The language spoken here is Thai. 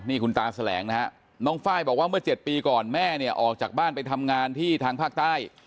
นี่คุณตาแสลงนะฮะน้องไฟล์บอกว่าเมื่อ๗ปีก่อนแม่เนี่ยออกจากบ้านไปทำงานที่ทางภาคใต้